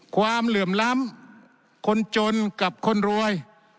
เหลื่อมล้ำคนจนกับคนรวย